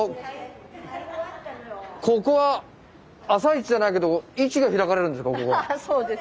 ここは朝市じゃないけど市が開かれるんですか？